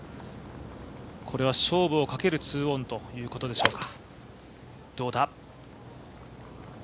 これは勝負をかける２オンということでしょうか。